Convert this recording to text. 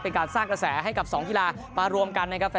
เป็นการสร้างเกษร์ให้กับสองทีลามารวมกันนะครับ